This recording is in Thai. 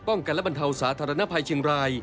กันและบรรเทาสาธารณภัยเชียงราย